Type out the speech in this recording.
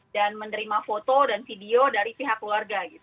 dan menerima foto dan video dari pihak keluarga gitu